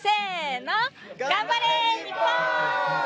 頑張れ！日本！